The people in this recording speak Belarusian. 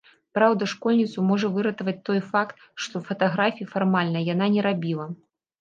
Праўда, школьніцу можа выратаваць той факт, што фатаграфіі, фармальна, яна не рабіла.